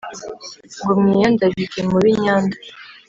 ngo mwiyandarike mube inyanda